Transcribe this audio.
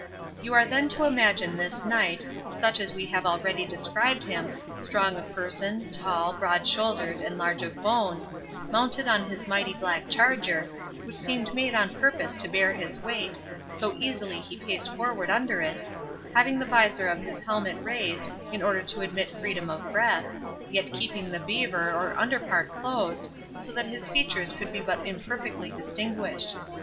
You are then to imagine this Knight, such as we have already described him, strong of person, tall, broad shouldered, and large of bone, mounted on his mighty black charger, which seemed made on purpose to bear his weight, so easily he paced forward under it, having the visor of his helmet raised, in order to admit freedom of breath, yet keeping the beaver, or under part, closed, so that his features could be but imperfectly distinguished.